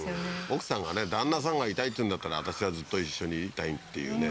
奥さんがね旦那さんがいたいって言うんだったら私はずっと一緒にいたいっていうね